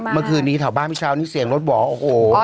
เมื่อคืนนี้แถวบ้านเมื่อเช้านี้เสียงรถหวอโอ้โห